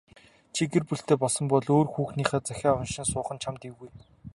Чи гэр бүлтэй болсон бол өөр хүүхний захиа уншин суух нь чамд ч эвгүй.